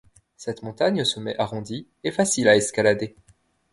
Cette montagne au sommet arrondi est facile à escalader.